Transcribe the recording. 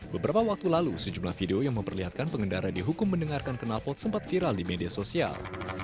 beberapa waktu lalu sejumlah video yang memperlihatkan pengendara dihukum mendengarkan kenalpot sempat viral di media sosial